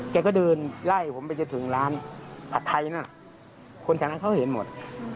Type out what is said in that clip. แกก็เดินไล่ผมไปจนถึงร้านผัดไทยนั่นคนแถวนั้นเขาเห็นหมด